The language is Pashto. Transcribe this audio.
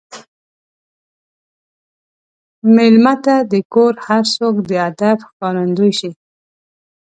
مېلمه ته د کور هر څوک د ادب ښکارندوي شي.